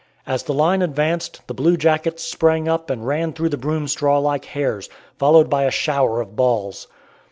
As the line advanced, the blue jackets sprang up and ran through the broom straw like hares, followed by a shower of balls.